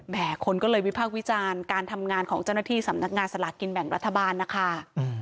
คนก็เลยวิพากษ์วิจารณ์การทำงานของเจ้าหน้าที่สำนักงานสลากินแบ่งรัฐบาลนะคะ